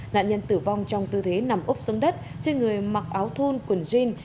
nạn nhân tử vong trong tư thế nằm ốc xuống đất trên người mặc áo thun quần jean